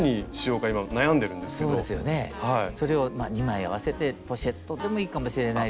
それを２枚合わせてポシェットでもいいかもしれないですね。